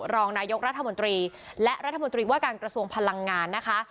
รองนายกรัฐมนตรีและรัฐมนตรีว่าการกระทรวงพลังงานนะคะ